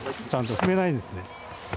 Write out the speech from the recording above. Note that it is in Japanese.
ちゃんと踏めないんですね。